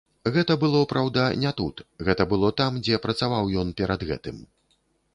Гэта было, праўда, не тут, гэта было там, дзе працаваў ён перад гэтым.